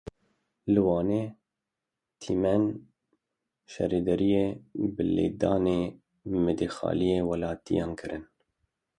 Li Wanê tîmên şaredariyê bi lêdanê midexaleyî welatiyan kirin.